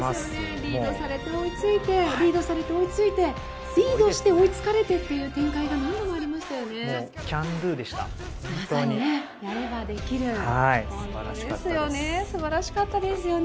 リードされて追いついてリードされて追いついてリードして追いつかれてという展開が何度もありましたよね。